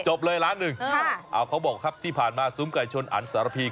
จบเลยล้านหนึ่งเขาบอกครับที่ผ่านมาซุ้มไก่ชนอันสารพี